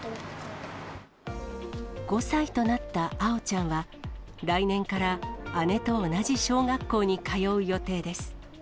５歳となった青色ちゃんは、来年から姉と同じ小学校に通う予定です。